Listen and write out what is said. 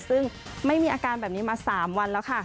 ซึ่งไม่มีอาการแบบนี้มา๓วันแล้วค่ะ